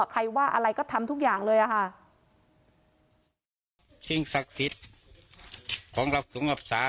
ใครว่าอะไรก็ทำทุกอย่างเลยอ่ะค่ะสิ่งศักดิ์สิทธิ์ของเราสูงรักษา